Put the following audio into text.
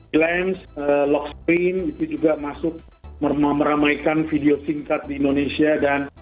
glance lockscreen itu juga masuk meramaikan video singkat di indonesia dan